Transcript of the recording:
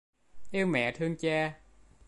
Yêu mẹ thương cha